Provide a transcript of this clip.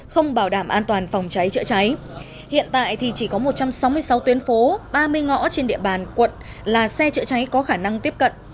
không bảo đảm an toàn phòng cháy chữa cháy hiện tại thì chỉ có một trăm sáu mươi sáu tuyến phố ba mươi ngõ trên địa bàn quận là xe chữa cháy có khả năng tiếp cận